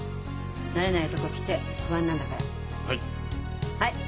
慣れないとこ来て不安なんだから。